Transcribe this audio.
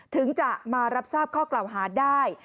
ถึงจะมารับทราบข้อกล่าวหาได้